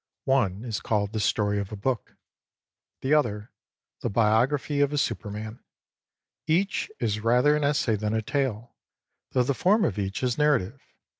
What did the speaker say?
One is catted " The Story of a Book" the other " The Biography of a Superman." Each is rather an essay than a tale, though the form of each is narrative.